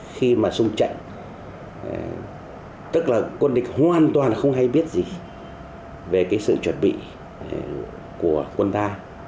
khi mà sung trận tức là quân địch hoàn toàn không hay biết gì về cái sự chuẩn bị của quân ta